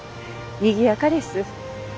にぎやかです。